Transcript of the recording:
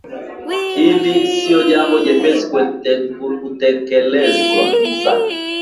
Hili sio jambo jepesi kutekelezeka